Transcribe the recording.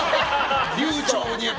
流暢に。